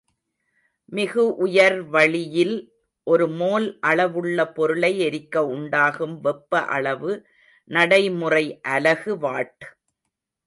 மிகு உயர்வளியில் ஒரு மோல் அளவுள்ள பொருளை எரிக்க உண்டாகும் வெப்ப அளவு நடைமுறை அலகு வாட்.